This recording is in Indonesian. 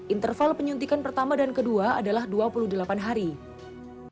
interval penyuntikan pertama dan kedua adalah dua puluh menit